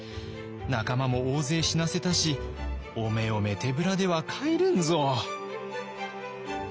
仲間も大勢死なせたしおめおめ手ぶらでは帰れんぞ」。